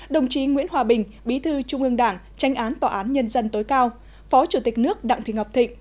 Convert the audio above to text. đồng chí nguyễn hòa bình bí thư trung ương đảng tranh án tòa án nhân dân tối cao phó chủ tịch nước đặng thị ngọc thịnh